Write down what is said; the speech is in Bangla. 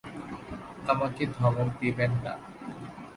আমাকে ধমক দিবেন না।